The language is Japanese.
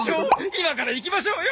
今から行きましょうよ！